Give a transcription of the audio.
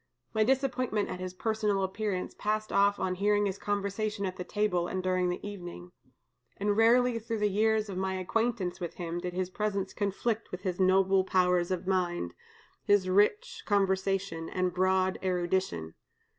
My disappointment at his personal appearance passed off on hearing his conversation at the table and during the evening; and rarely through the years of my acquaintance with him did his presence conflict with his noble powers of mind, his rich conversation, and broad erudition.